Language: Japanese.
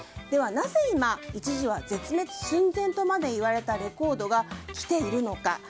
ではなぜ今、一時は絶滅寸前とまで言われたレコードがきているのか。